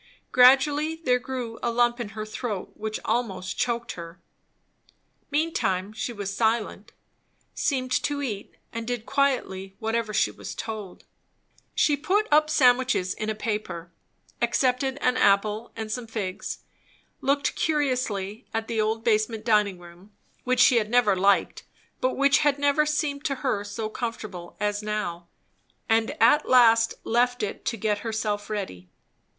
Gradually there grew a lump in her throat which almost choked her. Meantime she was silent, seemed to eat, and did quietly whatever she was told She put up sandwiches in a paper; accepted an apple and some figs; looked curiously at the old basement dining room, which she had never liked, but which had never seemed to her so comfortable as now; and at last left it to get herself ready.